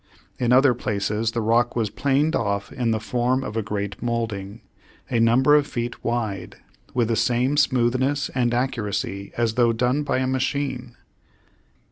In other places the rock was planed off in the form of a great molding, a number of feet wide, with the same smoothness and accuracy as though done by a machine.